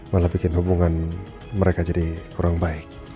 malah bikin hubungan mereka jadi kurang baik